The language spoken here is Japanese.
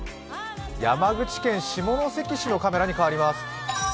山口県下関市のカメラに変わります。